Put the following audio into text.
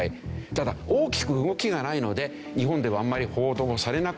ただ大きく動きがないので日本ではあんまり報道されなくなってきている。